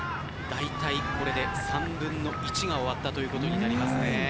だいたいこれで３分の１が終わったということになりますね。